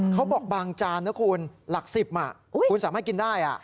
บางจานนะคุณหลัก๑๐คุณสามารถกินได้